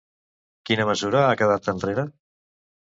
Quina mesura ha quedat enrere?